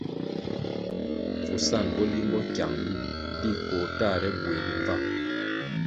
Pfusan bo limbo kyang nlu di koh tahre buegi mbvang.